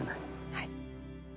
はい。